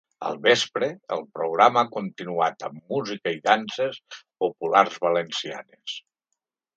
Al vespre, el programa ha continuat amb música i danses populars valencianes.